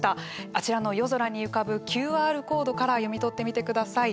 あちらの夜空に浮かぶＱＲコードから読み取ってみてください。